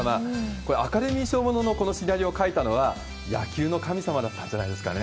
これ、アカデミー賞もののこのシナリオ書いたのは、野球の神様だったんじゃないですかね。